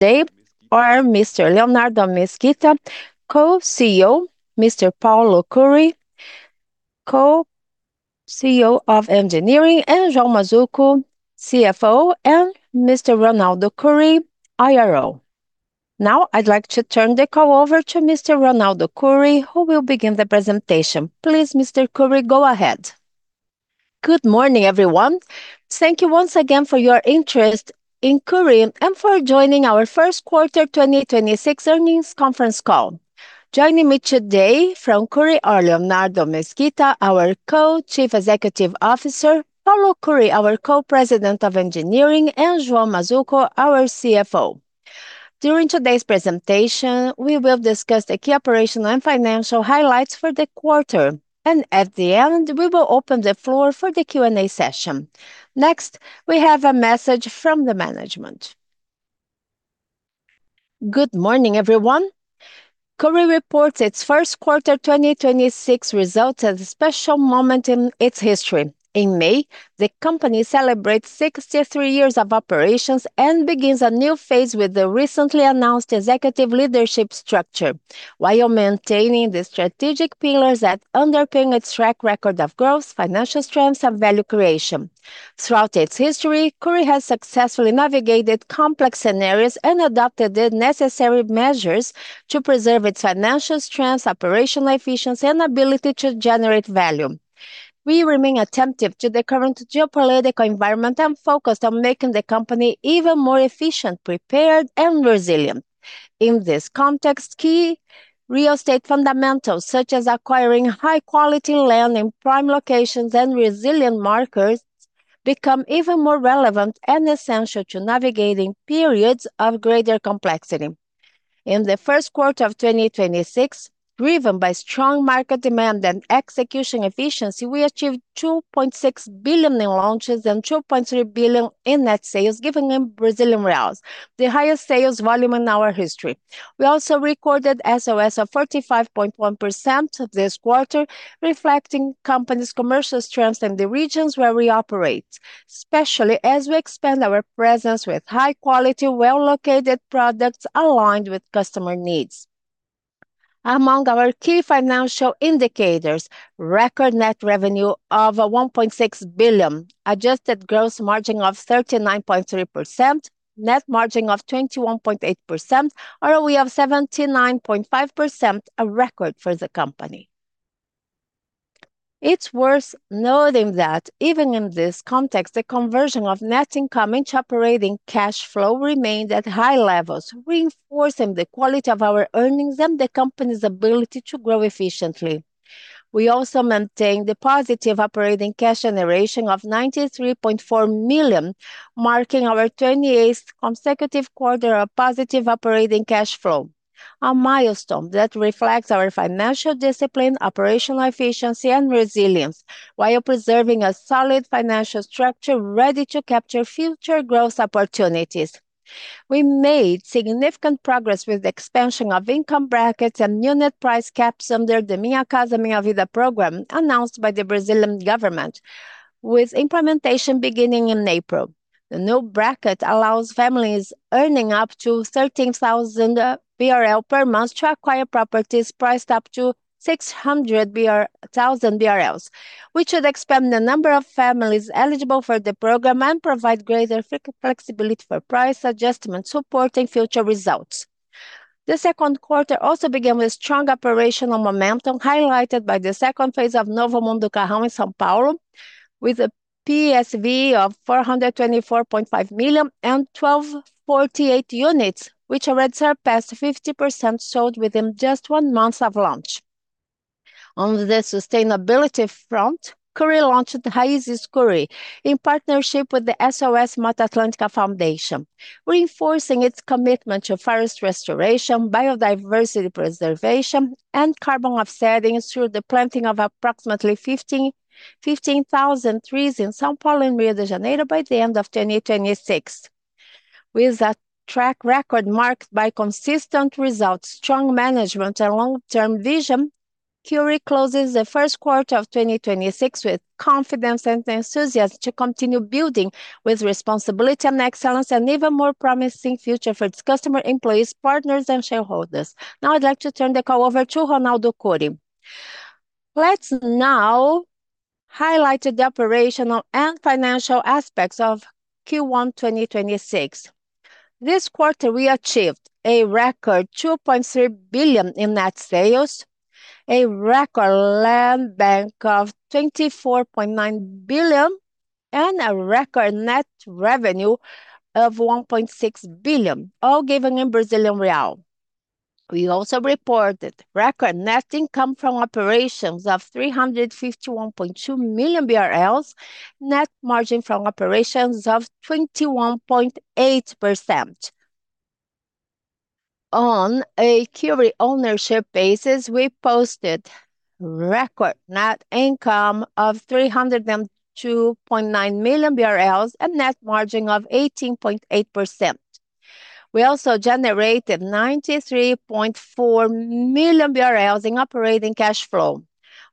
They are Leonardo Mesquita, Co-CEO, Paulo Curi, Co-CEO of Engineering, João Mazzuco, CFO, and Ronaldo Cury, IRO. Now I'd like to turn the call over to Ronaldo Cury, who will begin the presentation. Please, Curi, go ahead. Good morning, everyone. Thank you once again for your interest in Cury and for joining our Q1 2026 earnings conference call. Joining me today from Cury are Leonardo Mesquita, our Co-Chief Executive Officer, Paulo Curi, our Co-President of Engineering, and João Mazzuco, our CFO. During today's presentation, we will discuss the key operational and financial highlights for the quarter. At the end, we will open the floor for the Q&A session. Next, we have a message from the management. Good morning, everyone. Cury reports its Q1 2026 results at a special moment in its history. In May, the company celebrates 63 years of operations and begins a new phase with the recently announced executive leadership structure, while maintaining the strategic pillars that underpin its track record of growth, financial strengths, and value creation. Throughout its history, Cury has successfully navigated complex scenarios and adopted the necessary measures to preserve its financial strengths, operational efficiency, and ability to generate value. We remain attentive to the current geopolitical environment and focused on making the company even more efficient, prepared, and resilient. In this context, key real estate fundamentals, such as acquiring high-quality land in prime locations and resilient markets, become even more relevant and essential to navigating periods of greater complexity. In Q1 2026, driven by strong market demand and execution efficiency, we achieved 2.6 billion in launches and 2.3 billion in net sales, given in Brazilian reals, the highest sales volume in our history. We also recorded SOS of 45.1% this quarter, reflecting company's commercial strengths in the regions where we operate, especially as we expand our presence with high-quality, well-located products aligned with customer needs. Among our key financial indicators, record net revenue of 1.6 billion, adjusted gross margin of 39.3%, net margin of 21.8%, ROE of 79.5%, a record for company. It's worth noting that even in this context, the conversion of net income into operating cash flow remained at high levels, reinforcing the quality of our earnings and company's ability to grow efficiently. We also maintain the positive operating cash generation of 93.4 million, marking our 28th consecutive quarter of positive operating cash flow, a milestone that reflects our financial discipline, operational efficiency, and resilience while preserving a solid financial structure ready to capture future growth opportunities. We made significant progress with the expansion of income brackets and unit price caps under the Minha Casa, Minha Vida program announced by the Brazilian government, with implementation beginning in April. The new bracket allows families earning up to 13,000 BRL per month to acquire properties priced up to 600 thousand BRL. We should expand the number of families eligible for the program and provide greater flexibility for price adjustment, supporting future results. The second quarter also began with strong operational momentum, highlighted by the second phase of Novo Mundo Carrão in São Paulo with a PSV of 424.5 million and 1,248 units, which already surpassed 50% sold within just one month of launch. On the sustainability front, Cury launched the Raízes Cury in partnership with the SOS Mata Atlântica Foundation, reinforcing its commitment to forest restoration, biodiversity preservation, and carbon offsetting through the planting of approximately 15,000 trees in São Paulo and Rio de Janeiro by the end of 2026. With a track record marked by consistent results, strong management, and long-term vision, Cury closes the first quarter of 2026 with confidence and enthusiasm to continue building with responsibility and excellence, and even more promising future for its customer, employees, partners, and shareholders. Now I'd like to turn the call over to Ronaldo Cury. Let's now highlight the operational and financial aspects of Q1 2026. This quarter, we achieved a record 2.3 billion in net sales, a record land bank of 24.9 billion, and a record net revenue of 1.6 billion, all given in Brazilian real. We also reported record net income from operations of 351.2 million BRL, net margin from operations of 21.8%. On a Cury ownership basis, we posted record net income of 302.9 million BRL and net margin of 18.8%. We also generated 93.4 million BRL in operating cash flow,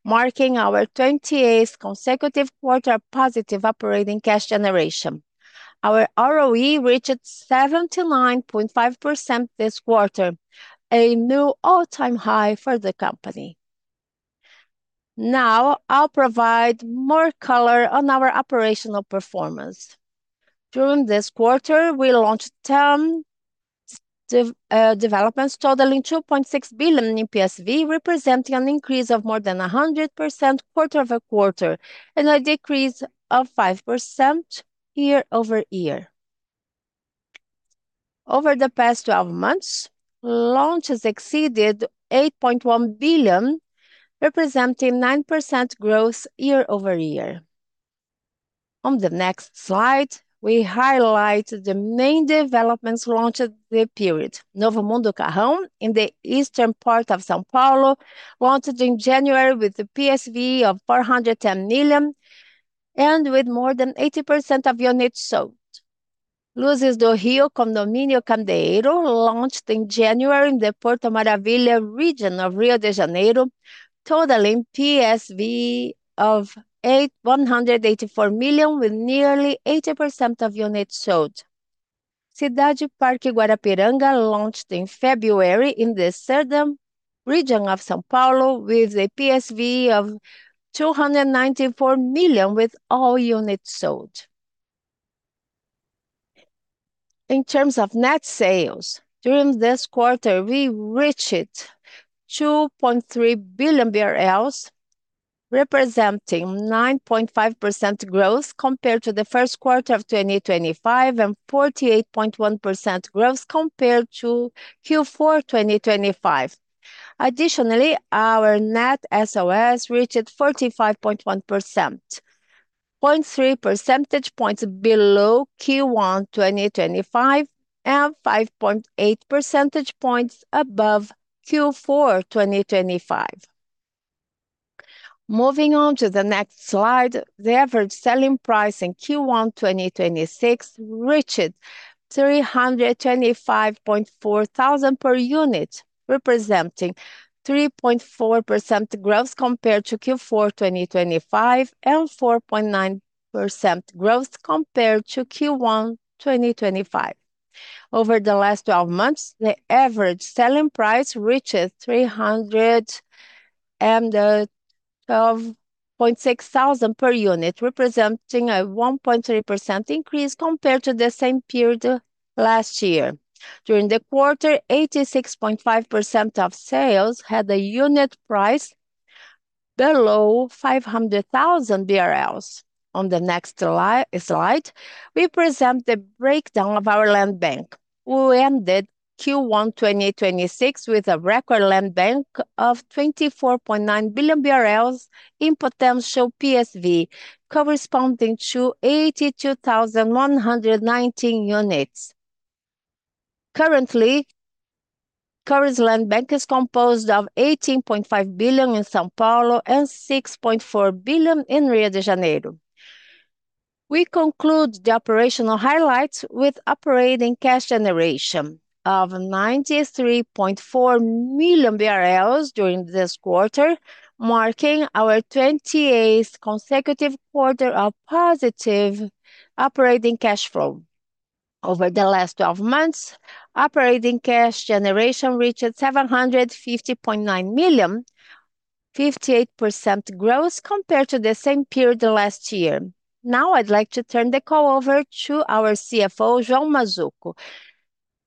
marking our 28th consecutive quarter positive operating cash generation. Our ROE reached 79.5% this quarter, a new all-time high for the company. Now I'll provide more color on our operational performance. During this quarter, we launched 10 developments totaling 2.6 billion in PSV, representing an increase of more than 100% quarter-over-quarter, and a decrease of 5% year-over-year. Over the past 12 months, launches exceeded 8.1 billion, representing 9% growth year-over-year. On the next slide, we highlight the main developments launched the period. Novo Mundo Carrão in the eastern part of São Paulo, launched in January with a PSV of 410 million, and with more than 80% of units sold. Luzes do Rio - Condomínio Candeeiro launched in January in the Porto Maravilha region of Rio de Janeiro, totaling PSV of 184 million, with nearly 80% of units sold. Cidade Parque Guarapiranga launched in February in the Serra region of São Paulo with a PSV of 294 million, with all units sold. In terms of net sales, during this quarter, we reached 2.3 billion BRL, representing 9.5% growth compared to Q1 2025 and 48.1% growth compared to Q4 2025. Our net SOS reached 45.1%, 0.3 percentage points below Q1 2025 and 5.8 percentage points above Q4 2025. Moving on to the next slide, the average selling price in Q1 2026 reached 325,400 per unit, representing 3.4% growth compared to Q4 2025 and 4.9% growth compared to Q1 2025. Over the last 12 months, the average selling price reaches 312.6 thousand per unit, representing a 1.3% increase compared to the same period last year. During the quarter, 86.5% of sales had a unit price below 500 thousand BRL. On the next slide, we present the breakdown of our land bank. We ended Q1 2026 with a record land bank of 24.9 billion BRL in potential PSV corresponding to 82,119 units. Currently, Cury's land bank is composed of 18.5 billion in São Paulo and 6.4 billion in Rio de Janeiro. We conclude the operational highlights with operating cash generation of 93.4 million BRL during this quarter, marking our 28th consecutive quarter of positive operating cash flow. Over the last 12 months, operating cash generation reached 750.9 million, 58% growth compared to the same period last year. I'd like to turn the call over to our CFO, João Mazzuco.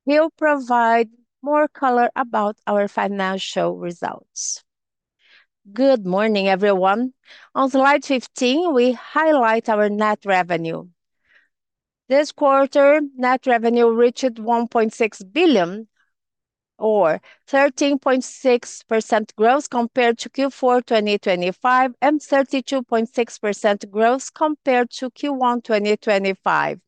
He'll provide more color about our financial results. Good morning, everyone. On slide 15, we highlight our net revenue. This quarter, net revenue reached 1.6 billion or 13.6% growth compared to Q4 2025 and 32.6% growth compared to Q1 2025.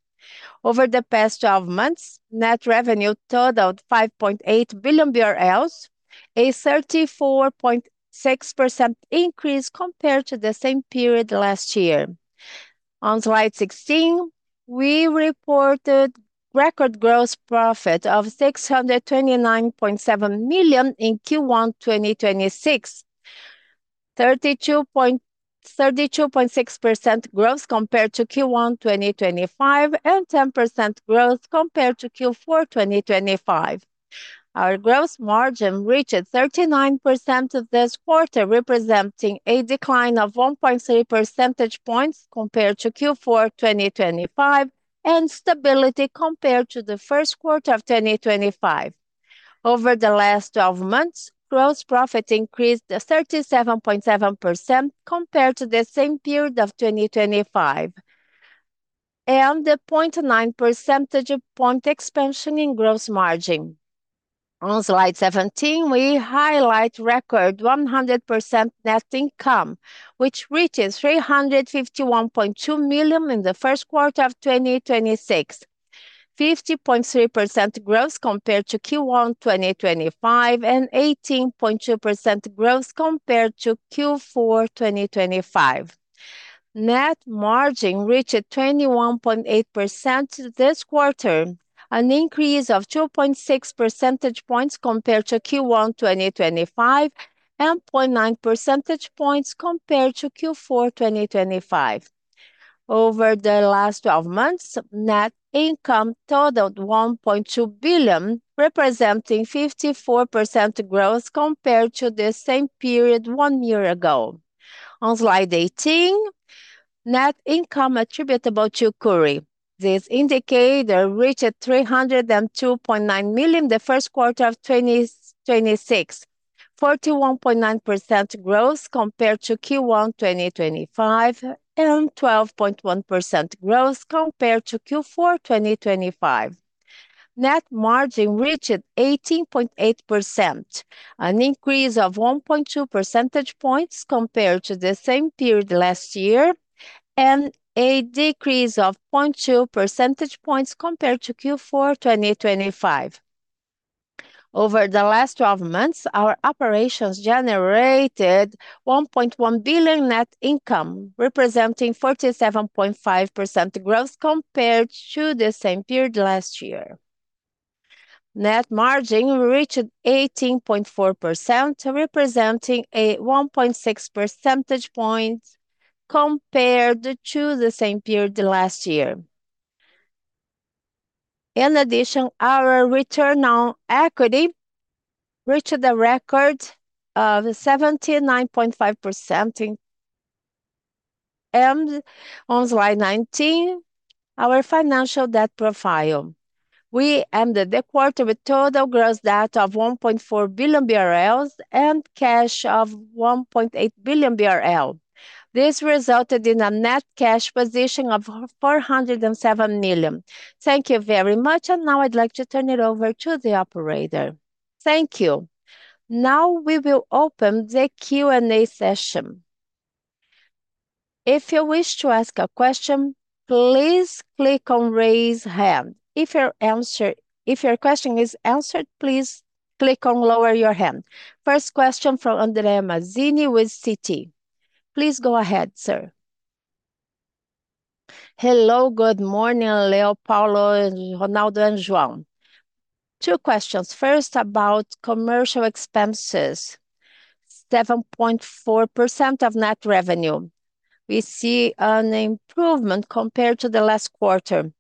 Over the past 12 months, net revenue totaled 5.8 billion BRL, a 34.6% increase compared to the same period last year. On slide 16, we reported record gross profit of 629.7 million in Q1 2026, 32.6% growth compared to Q1 2025 and 10% growth compared to Q4 2025. Our gross margin reached 39% of this quarter, representing a decline of 1.3 percentage points compared to Q4 2025 and stability compared to the first quarter of 2025. Over the last 12 months, gross profit increased to 37.7% compared to the same period of 2025, and a 0.9 percentage point expansion in gross margin. On slide 17, we highlight record 100% net income, which reaches 351.2 million in the first quarter of 2026, 50.3% growth compared to Q1 2025 and 18.2% growth compared to Q4 2025. Net margin reached 21.8% this quarter, an increase of 2.6 percentage points compared to Q1 2025, and 0.9 percentage points compared to Q4 2025. Over the last 12 months, net income totaled 1.2 billion, representing 54% growth compared to the same period one year ago. On slide 18, net income attributable to Cury. This indicator reached 302.9 million the first quarter of 2026, 41.9% growth compared to Q1 2025, and 12.1% growth compared to Q4 2025. Net margin reached 18.8%, an increase of 1.2 percentage points compared to the same period last year, and a decrease of 0.2 percentage points compared to Q4 2025. Over the last 12 months, our operations generated 1.1 billion net income, representing 47.5% growth compared to the same period last year. Net margin reached 18.4%, representing a 1.6 percentage point compared to the same period last year. In addition, our return on equity reached a record of 79.5% in On Slide 19, our financial debt profile. We ended the quarter with total gross debt of 1.4 billion BRL and cash of 1.8 billion BRL. This resulted in a net cash position of 407 million. Thank you very much, now I'd like to turn it over to the operator. Thank you. We will open the Q&A session. If you wish to ask a question, please click on raise hand. If your question is answered, please click on lower your hand. First question from Andre Mazzini with Citi. Please go ahead, sir. Hello. Good morning, Leo, Paulo, and Ronaldo and João. Two questions. First, about commercial expenses, 7.4% of net revenue. We see an improvement compared to the last quarter.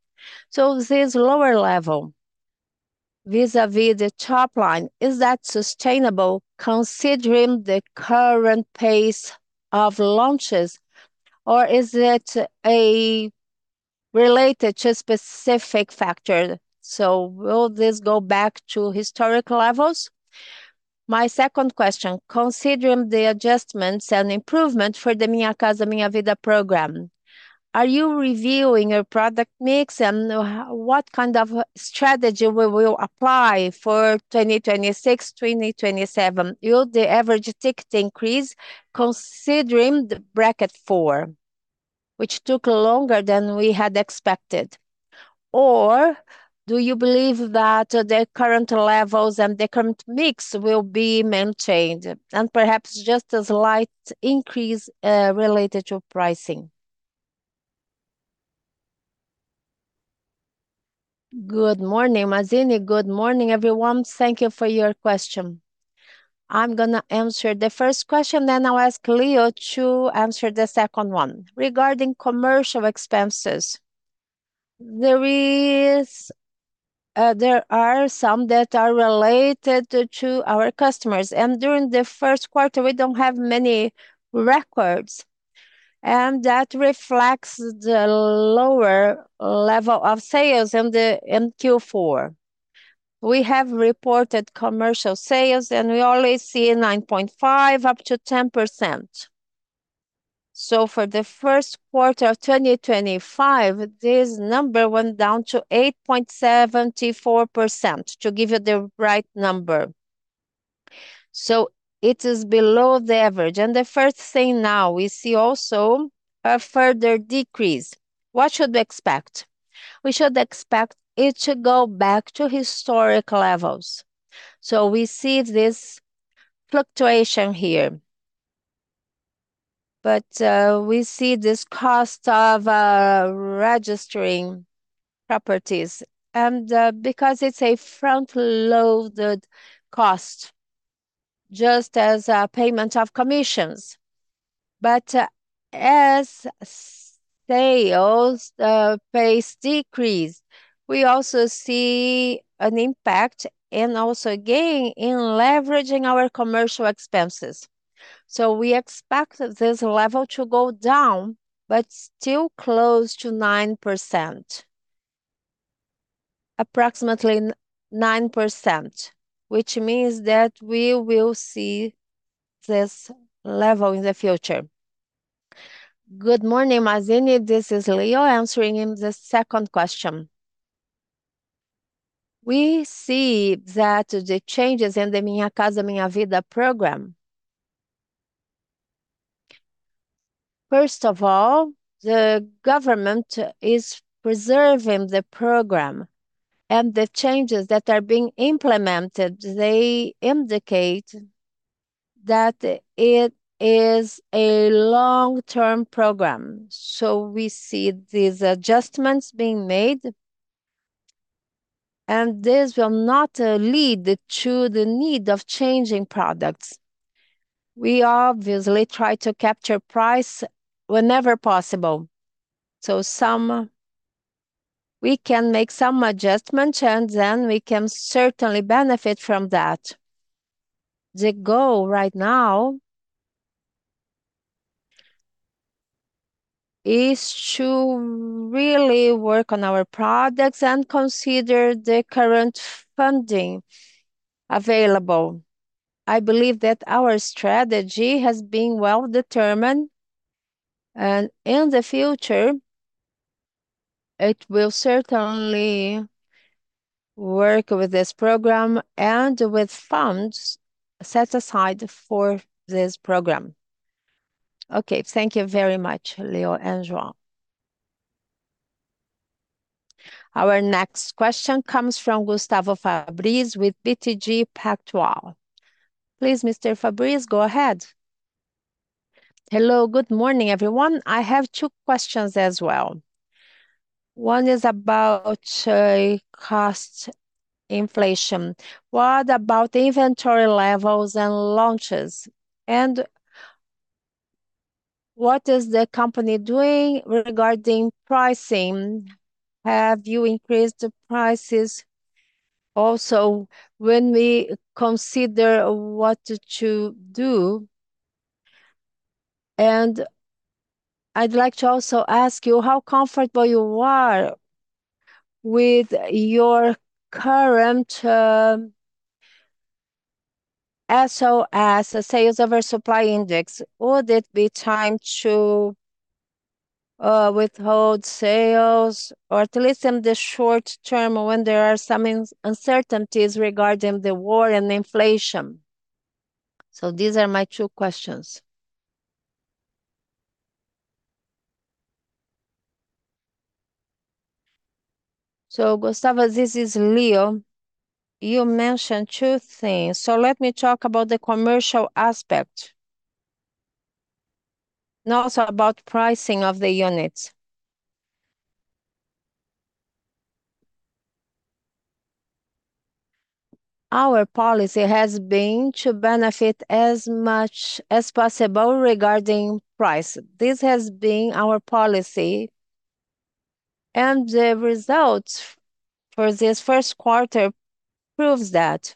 This lower level vis-a-vis the top line, is that sustainable considering the current pace of launches? Or is it related to specific factors? Will this go back to historical levels? My second question, considering the adjustments and improvement for the Minha Casa, Minha Vida program, are you reviewing your product mix, and what kind of strategy we will apply for 2026, 2027? Will the average ticket increase considering the bracket four, which took longer than we had expected, or do you believe that the current levels and the current mix will be maintained and perhaps just a slight increase related to pricing? Good morning, Mazzini. Good morning, everyone. Thank you for your question. I'm gonna answer the first question, then I'll ask Leo to answer the second one. Regarding commercial expenses, there is, there are some that are related to our customers. During the first quarter we don't have many records. That reflects the lower level of sales in Q4. We have reported commercial sales. We only see 9.5%-10%. For the first quarter of 2025, this number went down to 8.74%, to give you the right number. It is below the average. The first thing now, we see also a further decrease. What should we expect? We should expect it to go back to historical levels. We see this fluctuation here, but, we see this cost of registering properties, and, because it's a front-loaded cost, just as payment of commissions. As sales pace decrease, we also see an impact, and also gain in leveraging our commercial expenses. We expect this level to go down, but still close to 9%, approximately 9%, which means that we will see this level in the future. Good morning, Mazzini. This is Leo answering the second question. We see that the changes in the Minha Casa, Minha Vida program. First of all, the government is preserving the program, and the changes that are being implemented, they indicate that it is a long-term program. We see these adjustments being made, and this will not lead to the need of changing products. We obviously try to capture price whenever possible. We can make some adjustments, and then we can certainly benefit from that. The goal right now is to really work on our products and consider the current funding available. I believe that our strategy has been well determined, and in the future it will certainly work with this program and with funds set aside for this program. Okay, thank you very much, Leo and João. Our next question comes from Gustavo Fabris with BTG Pactual. Please, Mr. Fabris, go ahead. Hello. Good morning, everyone. I have two questions as well. One is about cost inflation. What about inventory levels and launches? What is the company doing regarding pricing? Have you increased the prices? Also, when we consider what to do. I'd like to also ask you how comfortable you are with your current SOS, sales over supply index. Would it be time to withhold sales, or at least in the short term when there are some uncertainties regarding the war and inflation? These are my two questions. Gustavo, this is Leo. You mentioned two things, so let me talk about the commercial aspect and also about pricing of the units. Our policy has been to benefit as much as possible regarding price. This has been our policy, and the results for this first quarter proves that.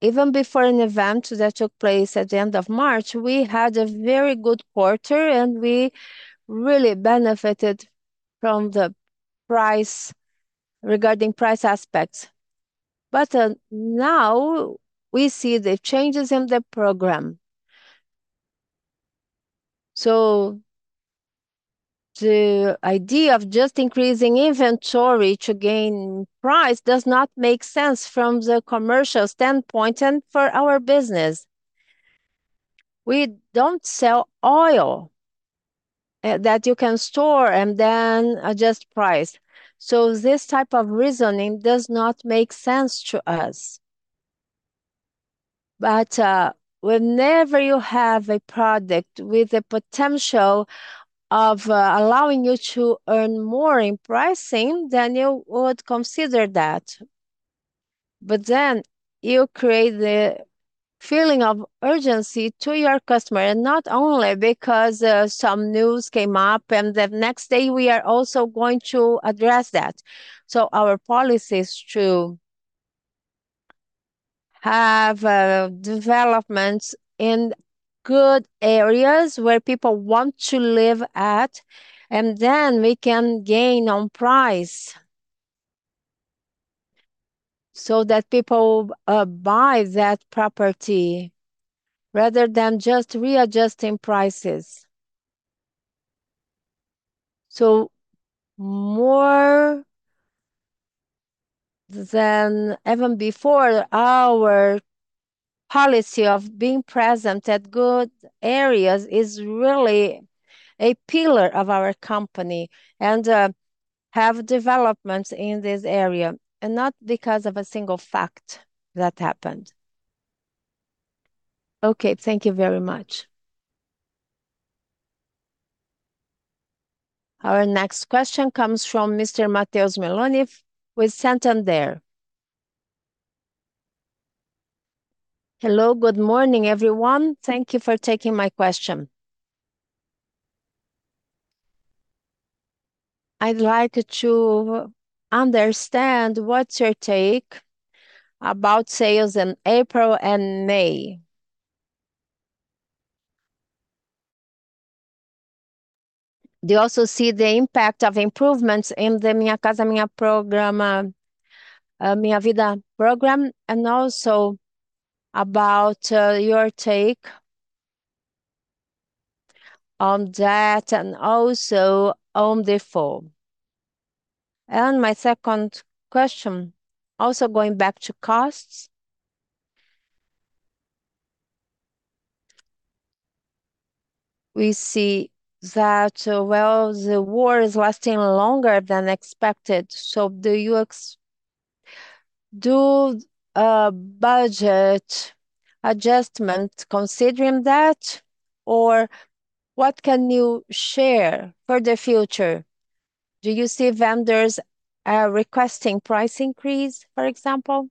Even before an event that took place at the end of March, we had a very good quarter and we really benefited from the price regarding price aspects. Now we see the changes in the program. The idea of just increasing inventory to gain price does not make sense from the commercial standpoint and for our business. We don't sell oil that you can store and then adjust price, so this type of reasoning does not make sense to us. Whenever you have a product with the potential of allowing you to earn more in pricing, then you would consider that. You create the feeling of urgency to your customer, and not only because some news came up, and the next day we are also going to address that. Our policy is to have developments in good areas where people want to live at, and then we can gain on price so that people buy that property rather than just readjusting prices. More than even before, our policy of being present at good areas is really a pillar of our company, and have developments in this area, and not because of a single fact that happened. Thank you very much. Our next question comes from Mr. Mattheus Meloni with Santander. Hello. Good morning, everyone. Thank you for taking my question. I'd like to understand what's your take about sales in April and May. Do you also see the impact of improvements in the Minha Casa, Minha Vida program, and also about your take on that and also on default? My second question, also going back to costs, we see that, well, the war is lasting longer than expected, do you do a budget adjustment considering that, or what can you share for the future? Do you see vendors requesting price increase, for example?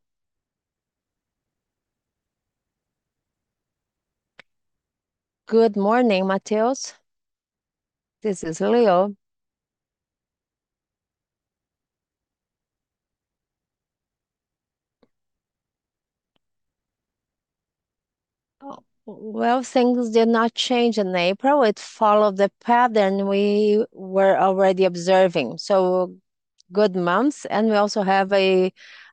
Good morning, Mattheus. This is Leo. Well, things did not change in April. It followed the pattern we were already observing. Good months, and we also have an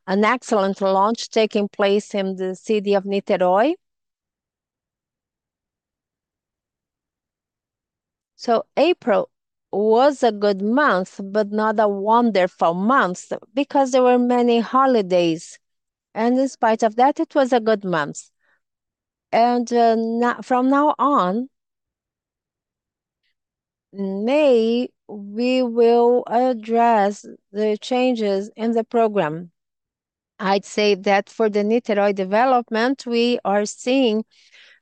excellent launch taking place in the city of Niterói. April was a good month, but not a wonderful month because there were many holidays, in spite of that, it was a good month. Now, from now on, in May we will address the changes in the program. I'd say that for the Niterói development, we are seeing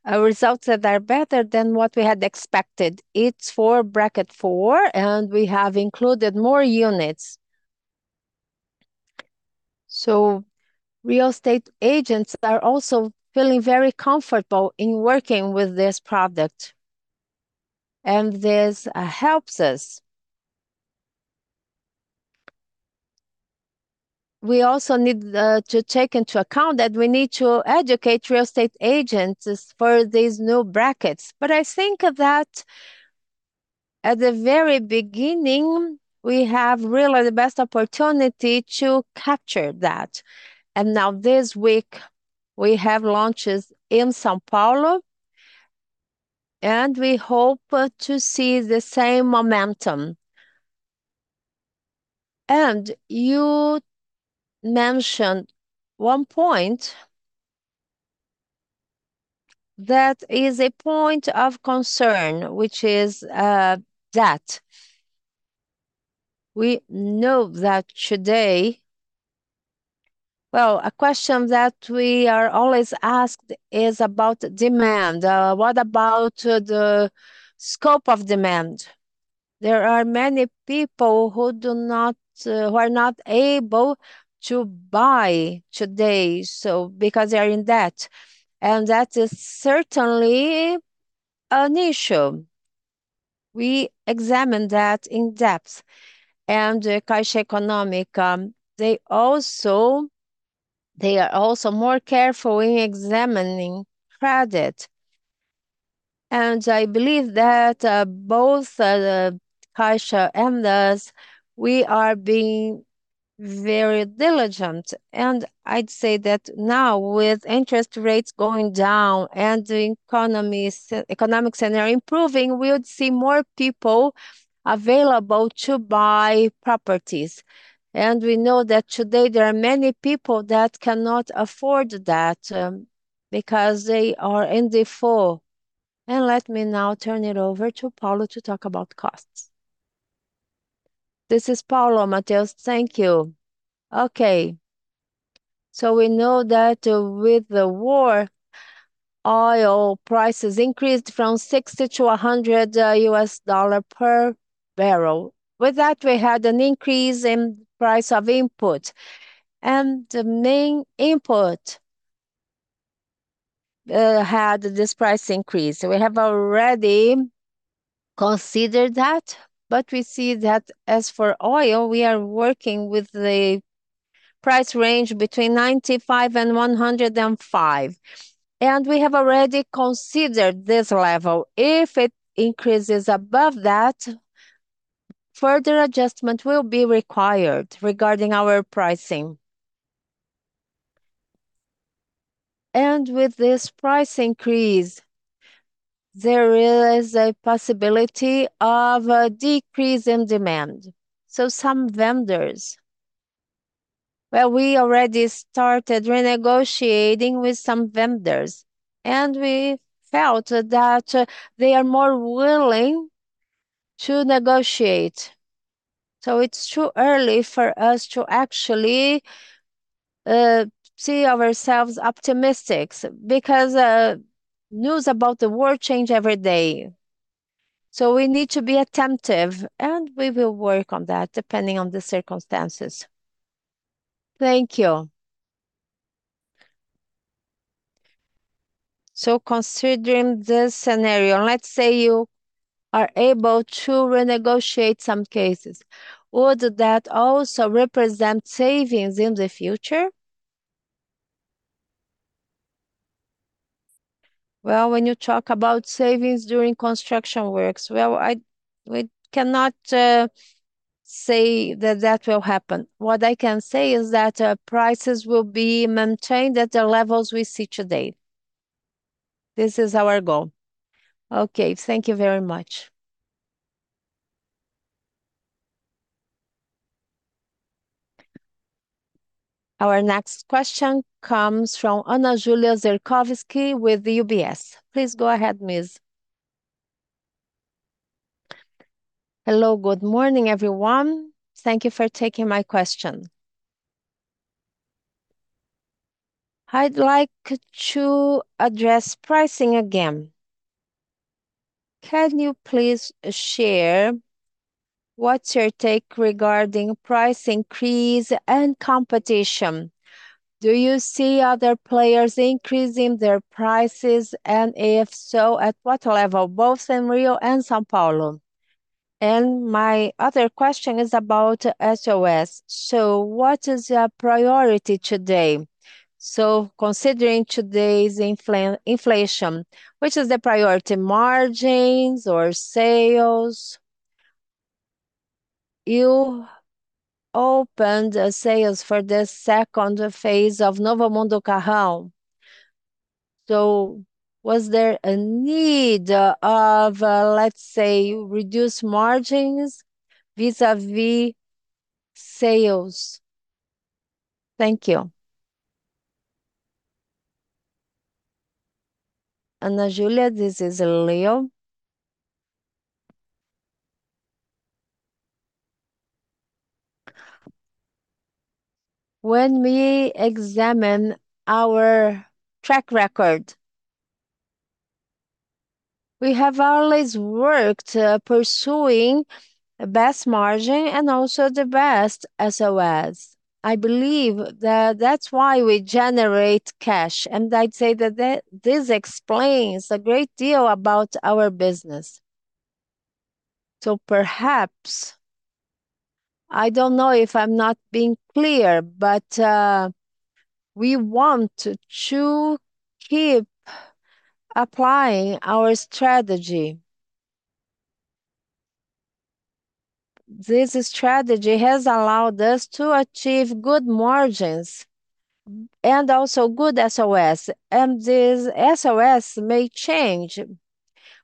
results that are better than what we had expected. It's for bracket four, we have included more units. Real estate agents are also feeling very comfortable in working with this product, this helps us. We also need to take into account that we need to educate real estate agents for these new brackets. I think that at the very beginning, we have really the best opportunity to capture that. Now this week we have launches in São Paulo, we hope to see the same momentum. You mentioned one point that is a point of concern, which is debt. We know that today Well, a question that we are always asked is about demand. What about the scope of demand? There are many people who do not who are not able to buy today, so because they are in debt, and that is certainly an issue. We examine that in depth. Caixa Econômica, they also, they are also more careful in examining credit. I believe that both the Caixa and us, we are being very diligent. I'd say that now with interest rates going down and the economic center improving, we would see more people available to buy properties. We know that today there are many people that cannot afford that because they are in default. Let me now turn it over to Paulo to talk about costs. This is Paulo, Mattheus. Thank you. We know that, with the war, oil prices increased from $60-$100 per barrel. With that, we had an increase in price of input, and the main input had this price increase. We have already considered that, we see that as for oil, we are working with the price range between $95-$105, and we have already considered this level. If it increases above that, further adjustment will be required regarding our pricing. With this price increase, there is a possibility of a decrease in demand. We already started renegotiating with some vendors, and we felt that they are more willing to negotiate. It's too early for us to actually see ourselves optimistic because news about the war change every day. We need to be attentive, and we will work on that depending on the circumstances. Thank you. Considering the scenario, let's say you are able to renegotiate some cases. Would that also represent savings in the future? Well, when you talk about savings during construction works, well, I, we cannot say that will happen. What I can say is that prices will be maintained at the levels we see today. This is our goal. Okay. Thank you very much. Our next question comes from Ana Júlia Zerkowski with UBS. Please go ahead, miss. Hello. Good morning, everyone. Thank you for taking my question. I'd like to address pricing again. Can you please share what's your take regarding price increase and competition? Do you see other players increasing their prices, and if so, at what level, both in Rio and São Paulo? My other question is about SOS. What is your priority today? Considering today's inflation, which is the priority, margins or sales? You opened sales for the second phase of Novo Mundo Carrão. Was there a need of, let's say, reduced margins vis-a-vis sales? Thank you. Ana Júlia, this is Leo. When we examine our track record, we have always worked pursuing the best margin and also the best SOS. I believe that that's why we generate cash, and I'd say that This explains a great deal about our business. Perhaps, I don't know if I'm not being clear, but we want to keep applying our strategy. This strategy has allowed us to achieve good margins and also good SOS. This SOS may change.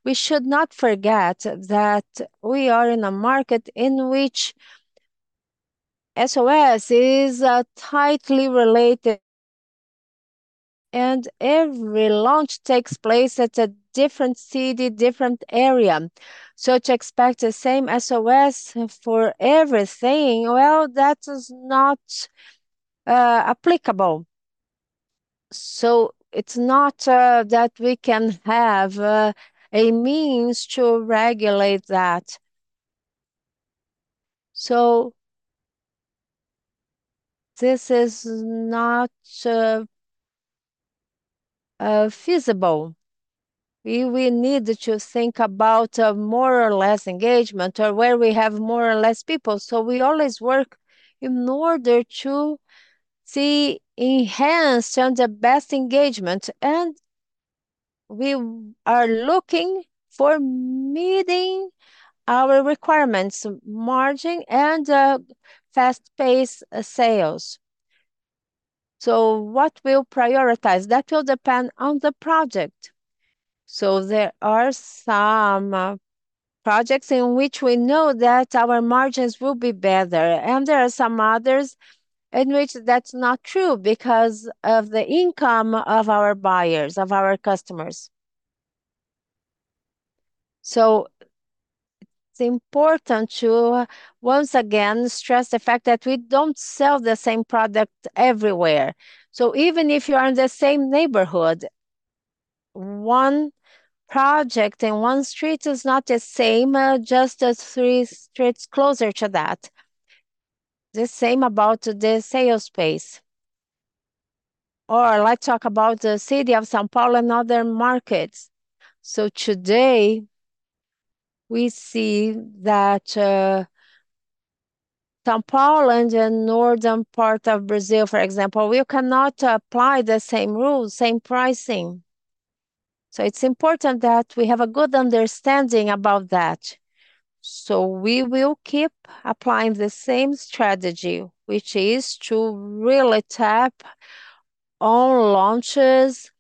We should not forget that we are in a market in which SOS is tightly related. Every launch takes place at a different city, different area. To expect the same SOS for everything, well, that is not applicable. It's not that we can have a means to regulate that. This is not feasible. We need to think about more or less engagement or where we have more or less people. We always work in order to see enhanced and the best engagement. We are looking for meeting our requirements, margin and fast-paced sales. What we'll prioritize, that will depend on the project. There are some projects in which we know that our margins will be better, and there are some others in which that's not true because of the income of our buyers, of our customers. It's important to once again stress the fact that we don't sell the same product everywhere. Even if you are in the same neighborhood, one project and one street is not the same, just as three streets closer to that. The same about the sales space. Or let's talk about the city of São Paulo and other markets. Today we see that São Paulo and the northern part of Brazil, for example, we cannot apply the same rules, same pricing. It's important that we have a good understanding about that. We will keep applying the same strategy, which is to really tap all launches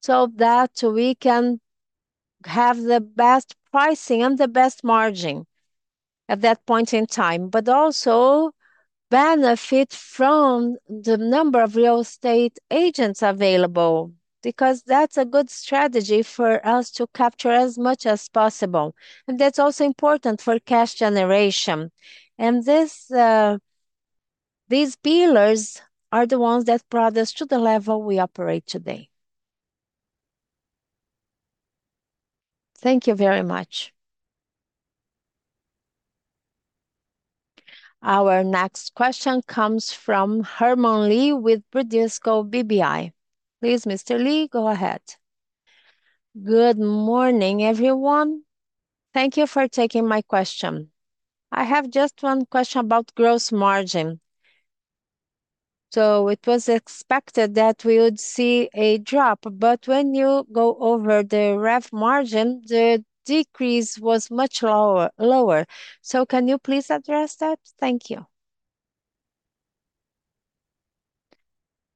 so that we can have the best pricing and the best margin at that point in time, but also benefit from the number of real estate agents available because that's a good strategy for us to capture as much as possible, and that's also important for cash generation. These pillars are the ones that brought us to the level we operate today. Thank you very much. Our next question comes from Herman Lee with Bradesco BBI. Please, Mr. Lee, go ahead. Good morning, everyone. Thank you for taking my question. I have just one question about gross margin. It was expected that we would see a drop, but when you go over the rev margin, the decrease was much lower. Can you please address that? Thank you.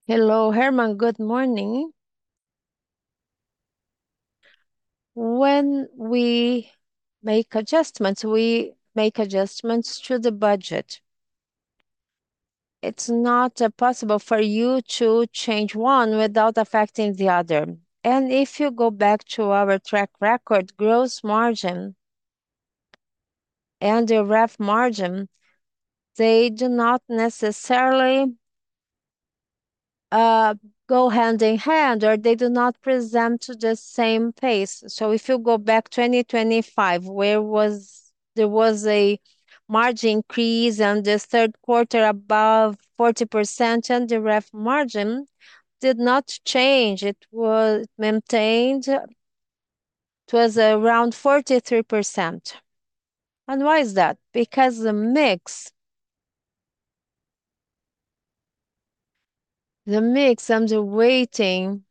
Hello, Herman. Good morning. When we make adjustments, we make adjustments to the budget. It is not possible for you to change one without affecting the other. If you go back to our track record gross margin and the rev margin, they do not necessarily go hand in hand, or they do not present the same pace. If you go back 2025, there was a margin increase on the third quarter above 40%, and the rev margin did not change. It was maintained. It was around 43%. Why is that? Because the mix and the weighting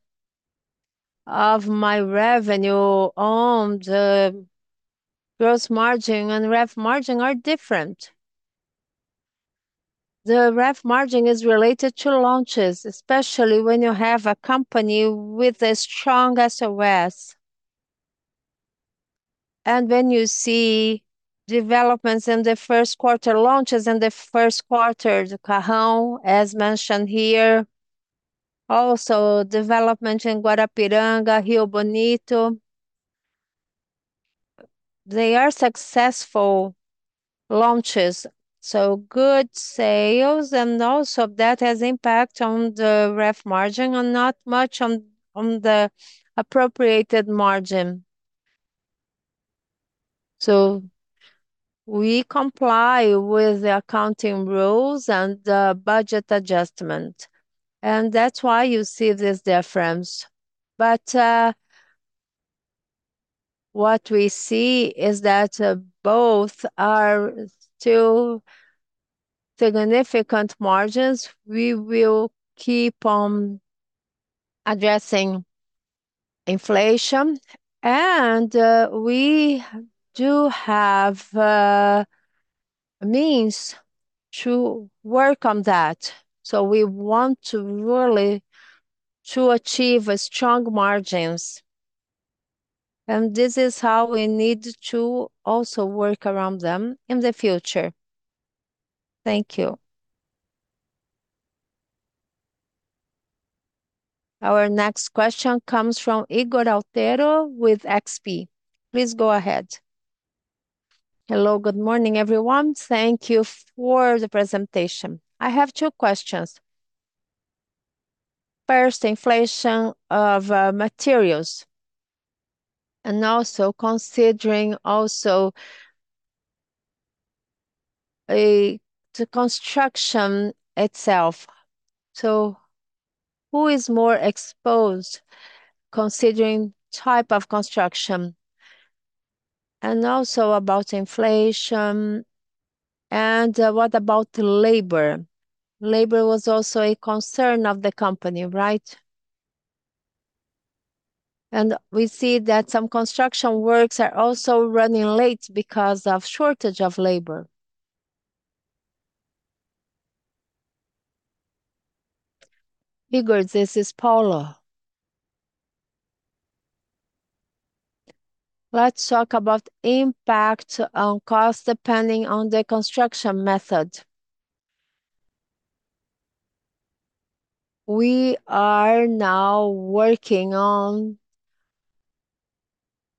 of my revenue on the gross margin and rev margin are different. The rev margin is related to launches, especially when you have a company with a strong SOS. When you see developments in the first quarter, launches in the first quarter, the Novo Mundo Carrão, as mentioned here. Development in Guarapiranga, Rio Bonito. They are successful launches, so good sales, and also that has impact on the rev margin and not much on the appropriated margin. We comply with the accounting rules and the budget adjustment, and that's why you see this difference. What we see is that both are still significant margins. We will keep on addressing inflation, and we do have means to work on that. We want to really to achieve strong margins, and this is how we need to also work around them in the future. Thank you. Our next question comes from Ygor Altero with XP. Please go ahead. Hello. Good morning, everyone. Thank you for the presentation. I have two questions. First, inflation of materials, and also considering the construction itself. Who is more exposed considering type of construction? Also about inflation. What about labor? Labor was also a concern of the company, right? We see that some construction works are also running late because of shortage of labor. Igor Machado, this is Paulo. Let's talk about impact on cost depending on the construction method. We are now working on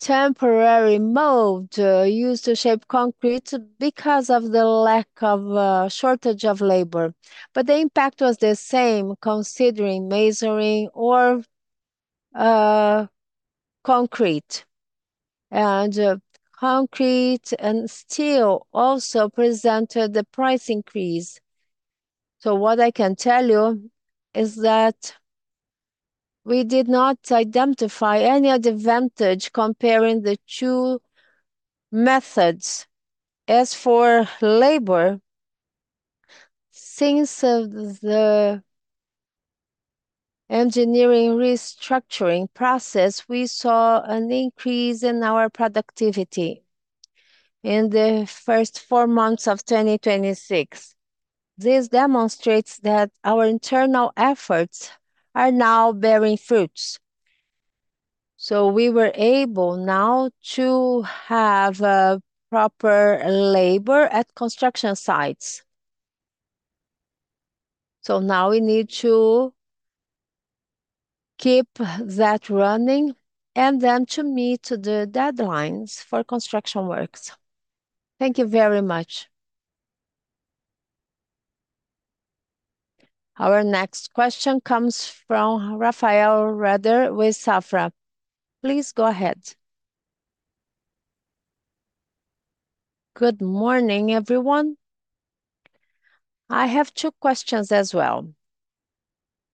temporary mold used to shape concrete because of the lack of shortage of labor. The impact was the same considering masonry or concrete. Concrete and steel also presented the price increase. What I can tell you is that we did not identify any advantage comparing the two methods. As for labor, since the engineering restructuring process, we saw an increase in our productivity in the first four months of 2026. This demonstrates that our internal efforts are now bearing fruits. We were able now to have a proper labor at construction sites. Now we need to keep that running to meet the deadlines for construction works. Thank you very much. Our next question comes from Rafael Rehder with Safra. Please go ahead. Good morning, everyone. I have two questions as well.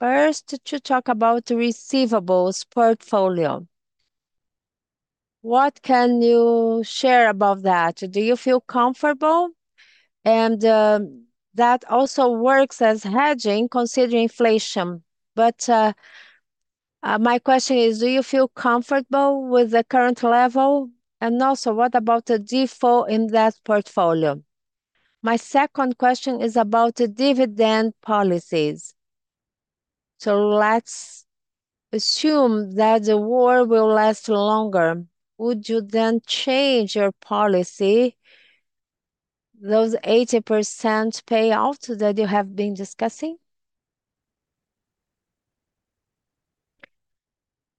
First to talk about receivables portfolio. What can you share about that? Do you feel comfortable? That also works as hedging considering inflation. My question is, do you feel comfortable with the current level? What about the default in that portfolio? My second question is about the dividend policies. Let's assume that the war will last longer. Would you then change your policy, those 80% payouts that you have been discussing?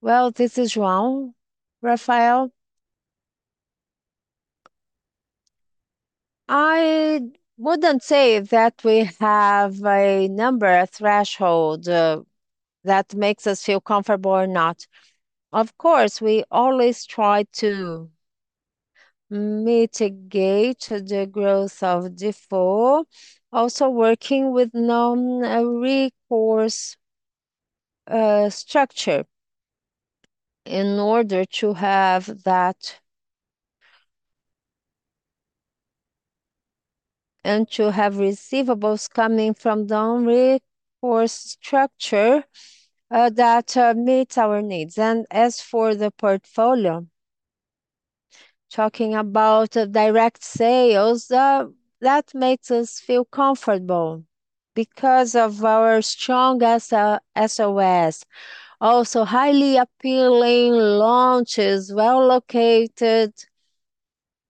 Well, this is João, Rafael. I wouldn't say that we have a number, a threshold, that makes us feel comfortable or not. Working with non-recourse structure in order to have receivables coming from down re- force structure that meets our needs. As for the portfolio, talking about direct sales, that makes us feel comfortable because of our strong SOS. Highly appealing launches, well-located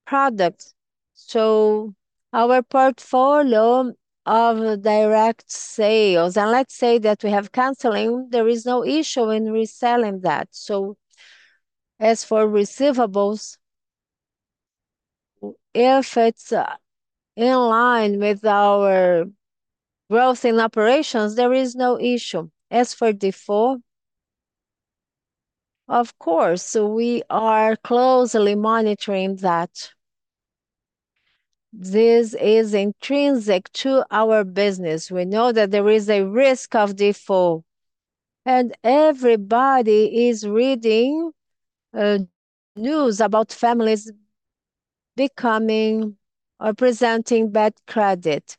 products. Our portfolio of direct sales. Let's say that we have canceling, there is no issue in reselling that. As for receivables, if it's in line with our growth in operations, there is no issue. As for default, of course, we are closely monitoring that. This is intrinsic to our business. We know that there is a risk of default, and everybody is reading news about families becoming or presenting bad credit.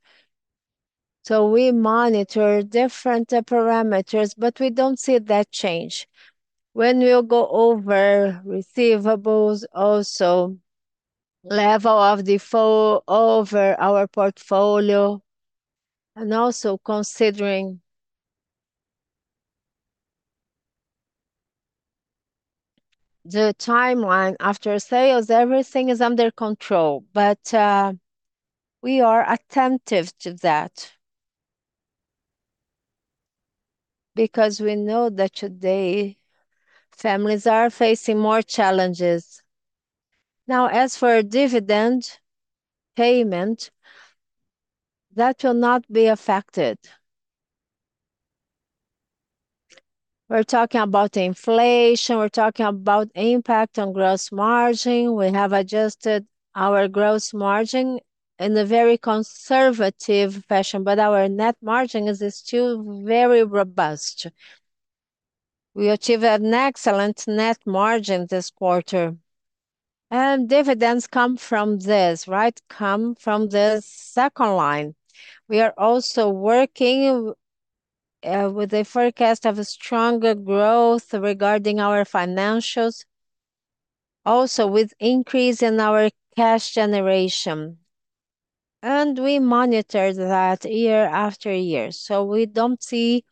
We monitor different parameters, but we don't see that change. When we'll go over receivables, also level of default over our portfolio, and also considering the timeline after sales, everything is under control. We are attentive to that because we know that today families are facing more challenges. As for dividend payment, that will not be affected. We're talking about inflation, we're talking about impact on gross margin. We have adjusted our gross margin in a very conservative fashion, but our net margin is still very robust. We achieved an excellent net margin this quarter. Dividends come from this, right? Come from the second line. We are also working with a forecast of a stronger growth regarding our financials, also with increase in our cash generation. We monitor that year-after-year. We don't see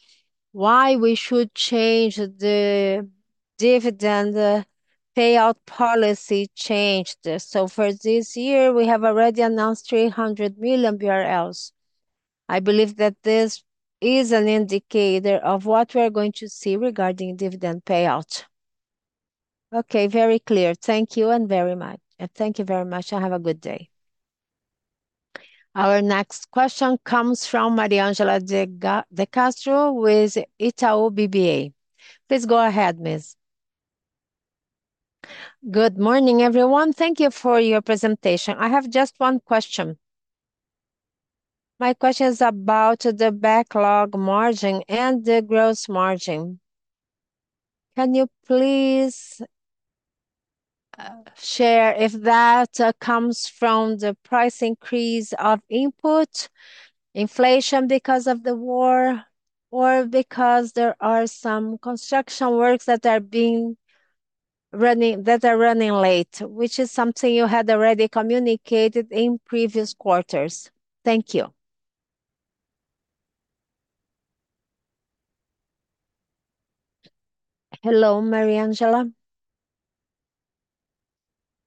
why we should change the dividend, the payout policy. For this year, we have already announced 300 million BRL. I believe that this is an indicator of what we are going to see regarding dividend payout. Okay. Very clear. Thank you and very much. Thank you very much and have a good day. Our next question comes from Mariangela Castro with Itaú BBA. Please go ahead, miss. Good morning, everyone. Thank you for your presentation. I have just one question. My question's about the backlog margin and the gross margin. Can you please share if that comes from the price increase of input, inflation because of the war, or because there are some construction works that are running late, which is something you had already communicated in previous quarters? Thank you. Hello, Mariangela.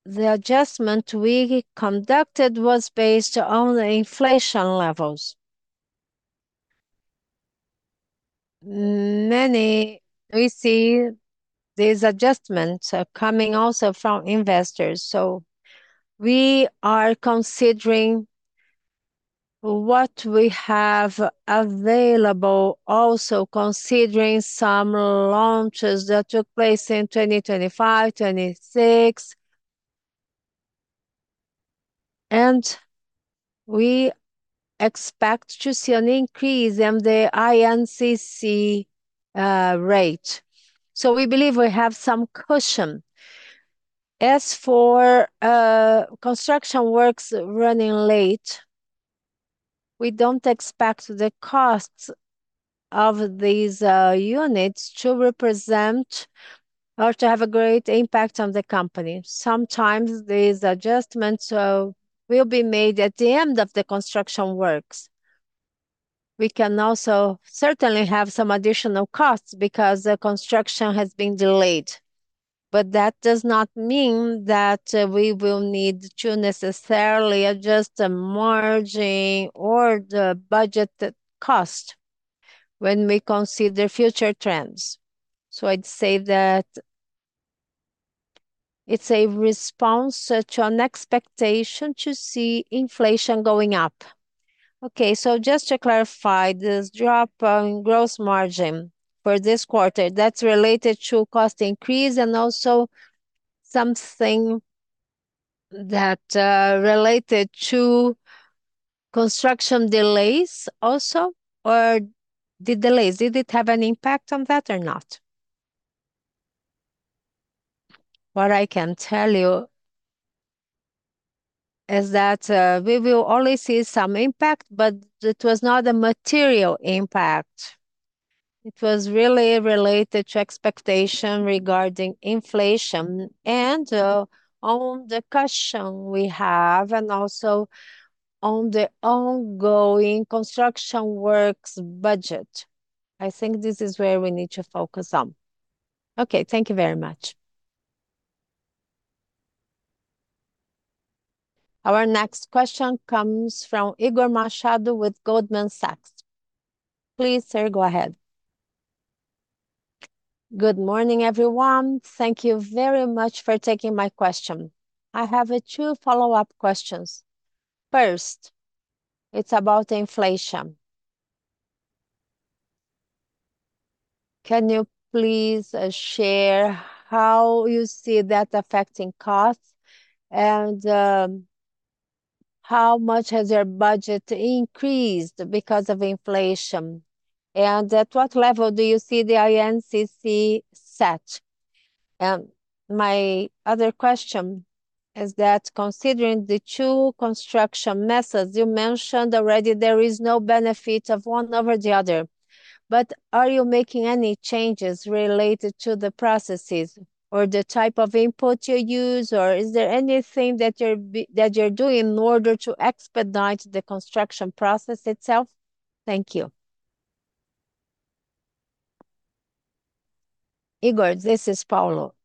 The adjustment we conducted was based on the inflation levels. Many, we see these adjustments are coming also from investors, so we are considering what we have available, also considering some launches that took place in 2025, 2026. We expect to see an increase in the INCC rate. We believe we have some cushion. As for construction works running late, we don't expect the costs of these units to represent or to have a great impact on the company. Sometimes these adjustments will be made at the end of the construction works. We can also certainly have some additional costs because the construction has been delayed, but that does not mean that, we will need to necessarily adjust the margin or the budgeted cost when we consider future trends. I'd say that it's a response to an expectation to see inflation going up. Okay. Just to clarify, this drop on gross margin for this quarter, that's related to cost increase and also something that, related to construction delays also? The delays, did it have an impact on that or not? What I can tell you is that, we will only see some impact, but it was not a material impact. It was really related to expectation regarding inflation and, on the cushion we have and also on the ongoing construction works budget. I think this is where we need to focus on. Okay, thank you very much. Our next question comes from Igor Machado with Goldman Sachs. Please, sir, go ahead. Good morning, everyone. Thank you very much for taking my question. I have two follow-up questions. First, it's about inflation. Can you please share how you see that affecting costs, and how much has your budget increased because of inflation? At what level do you see the INCC set? My other question is that considering the two construction methods you mentioned already, there is no benefit of one over the other. Are you making any changes related to the processes or the type of input you use, or is there anything that you're doing in order to expedite the construction process itself? Thank you. Ygor, this is Paulo.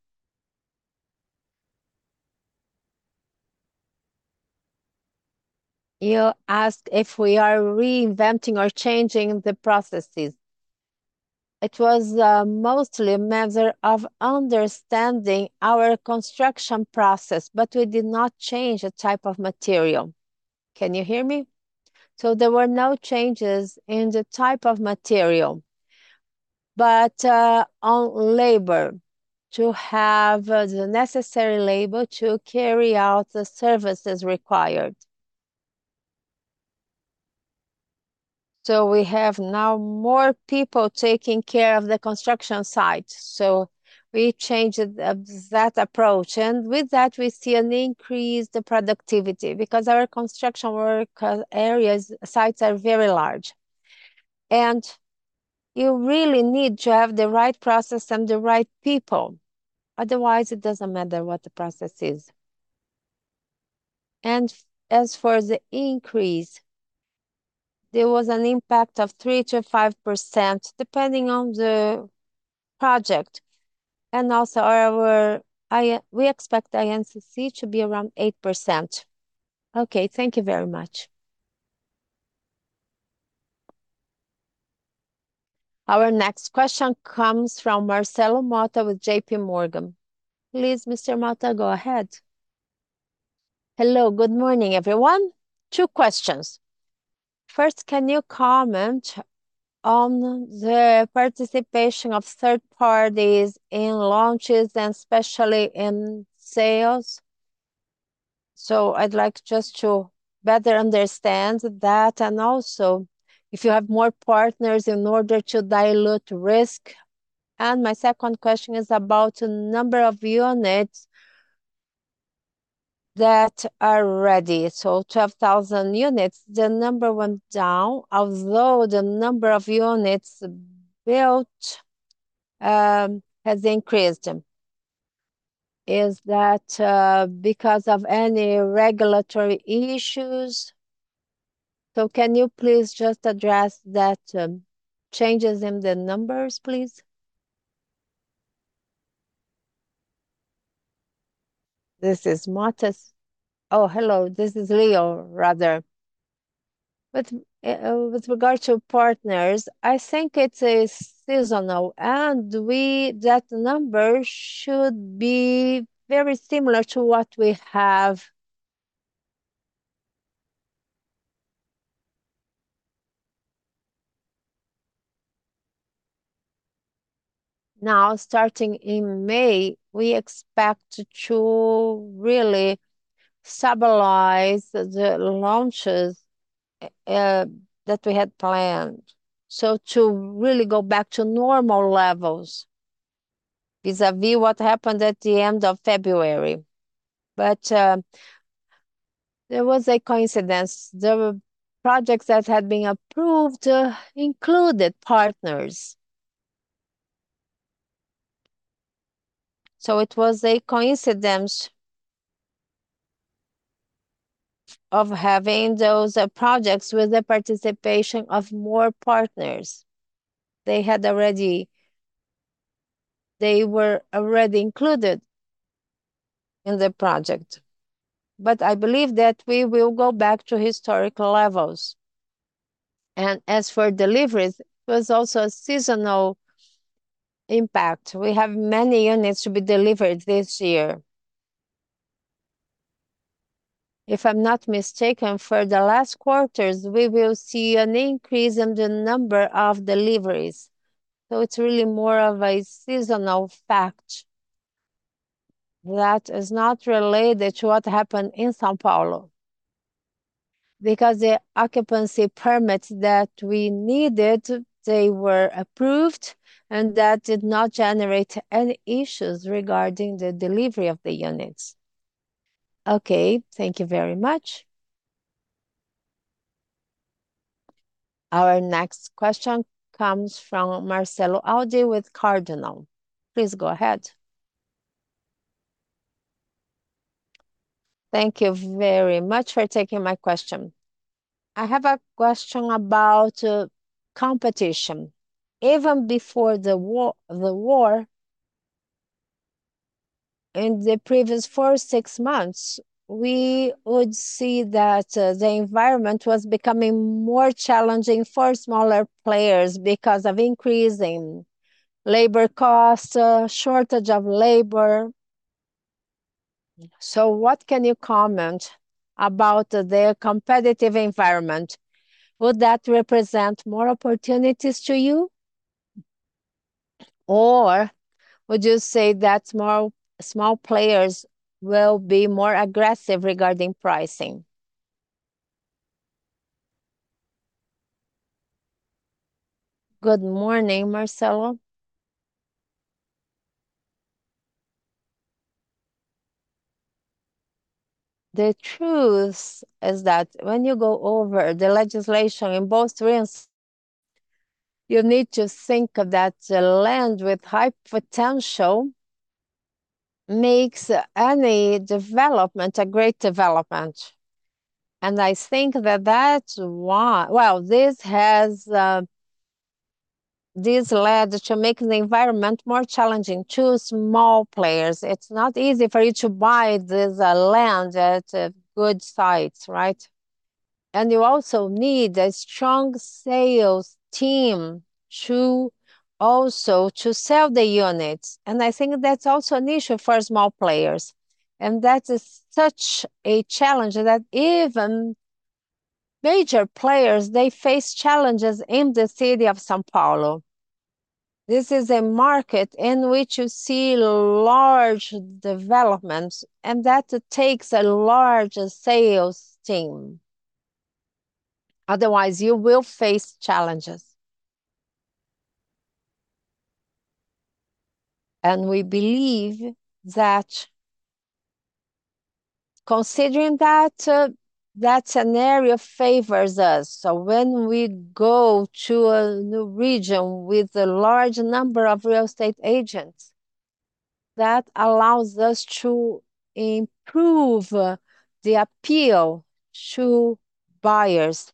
You asked if we are reinventing or changing the processes. It was mostly a matter of understanding our construction process, but we did not change the type of material. Can you hear me? There were no changes in the type of material, but on labor, to have the necessary labor to carry out the services required. We have now more people taking care of the construction site, so we changed that approach, and with that we see an increased productivity because our construction work areas, sites are very large. You really need to have the right process and the right people, otherwise it doesn't matter what the process is. As for the increase, there was an impact of 3%-5%, depending on the project. Also our, we expect INCC to be around 8%. Okay, thank you very much. Our next question comes from Marcelo Motta with JPMorgan. Please, Mr. Motta, go ahead. Hello. Good morning, everyone. Two questions. First, can you comment on the participation of third parties in launches and especially in sales? I'd like just to better understand that, and also if you have more partners in order to dilute risk. My second question is about the number of units that are ready. 12,000 units, the number went down, although the number of units built has increased. Is that because of any regulatory issues? Can you please just address that changes in the numbers, please? Hello, this is Leo rather. With regard to partners, I think it is seasonal and we that number should be very similar to what we have. Starting in May, we expect to really stabilize the launches that we had planned, to really go back to normal levels vis-a-vis what happened at the end of February. There was a coincidence. The projects that had been approved included partners. It was a coincidence of having those projects with the participation of more partners. They were already included in the project. I believe that we will go back to historical levels. As for deliveries, it was also a seasonal impact. We have many units to be delivered this year. If I'm not mistaken, for the last quarters, we will see an increase in the number of deliveries, so it's really more of a seasonal fact that is not related to what happened in São Paulo. Because the occupancy permits that we needed, they were approved, and that did not generate any issues regarding the delivery of the units. Okay, thank you very much. Our next question comes from Marcelo Audi with Cardinal. Please go ahead. Thank you very much for taking my question. I have a question about competition. Even before the war, in the previous four, six months, we would see that the environment was becoming more challenging for smaller players because of increase in labor costs, shortage of labor. What can you comment about the competitive environment? Would that represent more opportunities to you, or would you say that small players will be more aggressive regarding pricing? Good morning, Marcelo. The truth is that when you go over the legislation in both realms, you need to think that the land with high potential makes any development a great development. I think that that's why Well, this led to making the environment more challenging to small players. It's not easy for you to buy this land at good sites, right? You also need a strong sales team to sell the units, I think that's also an issue for small players. That is such a challenge that even major players, they face challenges in the city of São Paulo. This is a market in which you see large developments, that takes a large sales team, otherwise you will face challenges. We believe that considering that scenario favors us. When we go to a new region with a large number of real estate agents, that allows us to improve the appeal to buyers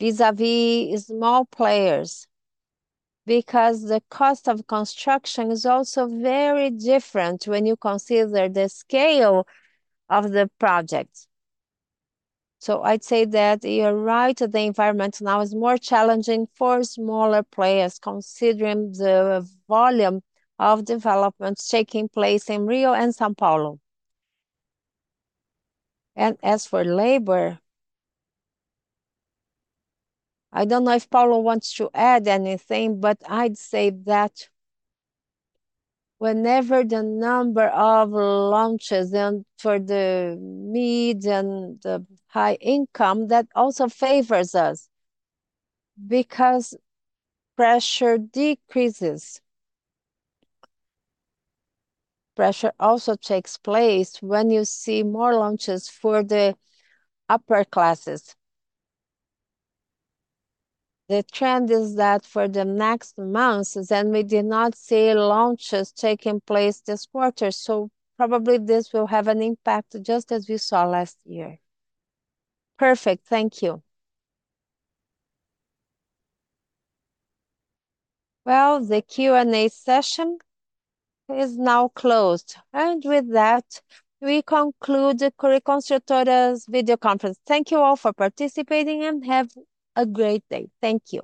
vis-a-vis small players. Because the cost of construction is also very different when you consider the scale of the project. I'd say that you're right, the environment now is more challenging for smaller players considering the volume of developments taking place in Rio and São Paulo. As for labor, I don't know if Paulo wants to add anything. I'd say that whenever the number of launches then for the mid and the high income, that also favors us because pressure decreases. Pressure also takes place when you see more launches for the upper classes. The trend is that for the next months, and we did not see launches taking place this quarter, so probably this will have an impact just as we saw last year. Perfect, thank you. Well, the Q&A session is now closed. With that, we conclude the Cury Construtora e Incorporadora's video conference. Thank you all for participating, and have a great day. Thank you.